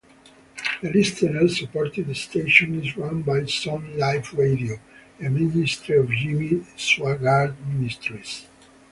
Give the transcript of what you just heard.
The listener-supported station is run by Sonlife Radio, a ministry of Jimmy Swaggart Ministries.